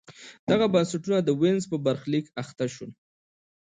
دغه بنسټونه د وینز په برخلیک اخته شول.